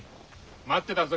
待ってたぞ。